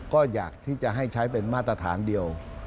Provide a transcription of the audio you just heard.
ก็อยากที่จะให้ใช้เป็นมาตรฐานเดียว